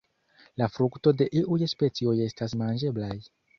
La frukto de iuj specioj estas manĝeblaj.